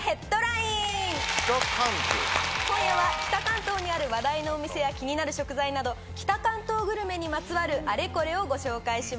今夜は北関東にある話題のお店や気になる食材など北関東グルメにまつわるあれこれをご紹介します。